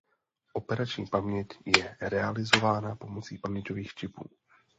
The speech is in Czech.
Operační paměť je realizována pomocí paměťových čipů.